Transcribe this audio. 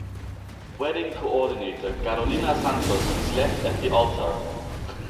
Wedding coordinator Carolina Santos is left at the altar.